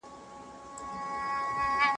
که تاسي کار وکړی پيسې به وګټئ.